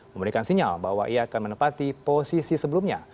memberikan sinyal bahwa ia akan menempati posisi sebelumnya